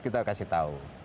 kita kasih tahu